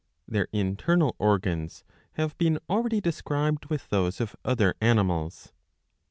^ Their internal organs have been already described with those of other animals.